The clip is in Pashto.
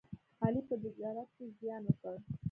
علي په تجارت کې زیان وکړ.